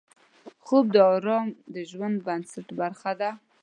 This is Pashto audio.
خوب د آرام د ژوند د بنسټ برخه ده